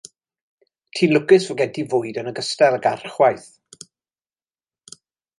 Ti'n lwcus fod gen ti fwyd yn ogystal ag archwaeth.